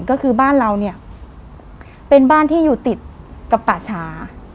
ก็คือบ้านเราเนี่ยเป็นบ้านที่อยู่ติดกับป่าชา